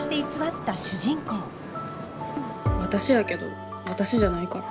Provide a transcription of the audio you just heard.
私やけど私じゃないから。